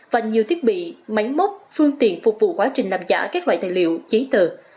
và nhiều thiết bị máy móc phương tiện phục vụ quá trình làm giả các loại tài liệu giấy tờ